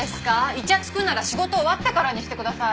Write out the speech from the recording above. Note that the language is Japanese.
イチャつくなら仕事終わってからにしてください。